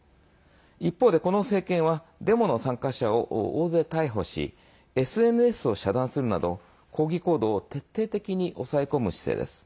一方で、この政権はデモの参加者を大勢逮捕しＳＮＳを遮断するなど抗議行動を徹底的に抑え込む姿勢です。